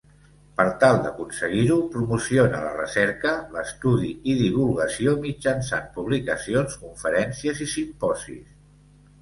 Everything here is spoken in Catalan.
Per tal d'aconseguir-ho, promociona la recerca, l'estudi i divulgació mitjançant publicacions, conferències i simposis.